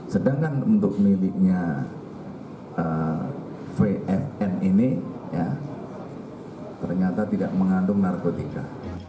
sedangkan untuk miliknya vfn ini ternyata tidak mengandung narkotika